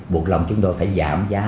buộc lòng chúng tôi phải giảm giá